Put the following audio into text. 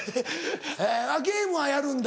ゲームはやるんだ？